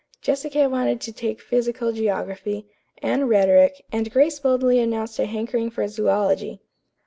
Jessica wanted to take physical geography, Anne rhetoric, and Grace boldly announced a hankering for zoölogy.